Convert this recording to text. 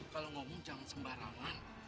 kalau ngomong jangan sembarangan